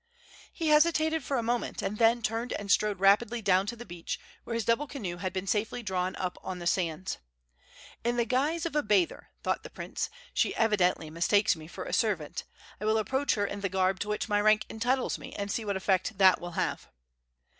He hesitated for a moment, and then turned and strode rapidly down to the beach, where his double canoe had been safely drawn up on the sands. "In the guise of a bather," thought the prince, "she evidently mistakes me for a servant. I will approach her in the garb to which my rank entitles me, and see what effect that will have."